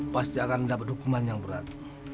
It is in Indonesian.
pasti akan mendapat hukuman yang berat